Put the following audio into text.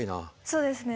そうですね。